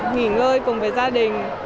nghỉ ngơi cùng với gia đình